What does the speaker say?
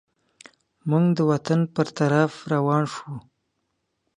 موږ د وطن پر طرف روان سوو.